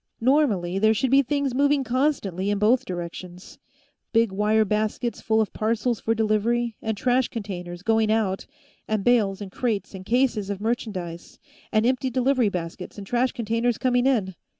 Normally, there should be things moving constantly in both directions big wire baskets full of parcels for delivery, and trash containers, going out, and bales and crates and cases of merchandise, and empty delivery baskets and trash containers coming in.